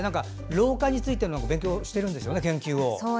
老化についての勉強してるんですよね。